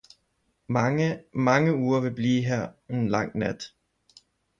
Mange, mange uger ville blive her n lang nat